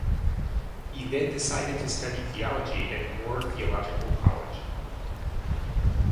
He then decided to study theology at Moore Theological College.